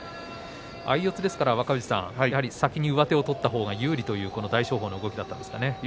相四つですからやはり先に上手を取ったほうが有利という大翔鵬の動きだったんですかね。